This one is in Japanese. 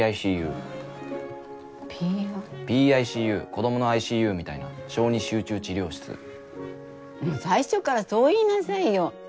子供のＩＣＵみたいな小児集中治療室」「最初からそう言いなさいよ」